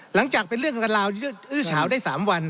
หลังจากเป็นเรื่องของการราวที่อื้อเฉาได้๓วัน